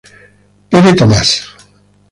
Pere Tomàs